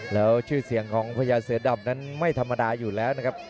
แล้วชื่อเสียงของพญาเสือดำนั้นไม่ธรรมดาอยู่แล้วนะครับ